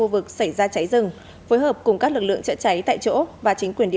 vụ cháy xảy ra trưa ngày một mươi tháng bốn xuất phát từ khu vực rừng chí